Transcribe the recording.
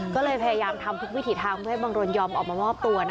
ก็เลยพยายามทำทุกวิถีทางเพื่อให้บังรนยอมออกมามอบตัว